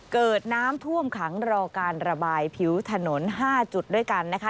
เกิดน้ำท่วมขังรอการระบายผิวถนน๕จุดด้วยกันนะคะ